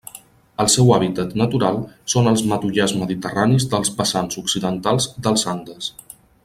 El seu hàbitat natural són els matollars mediterranis dels vessants occidentals dels Andes.